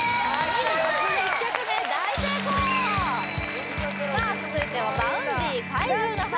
１曲目大成功さあ続いてはＶａｕｎｄｙ「怪獣の花唄」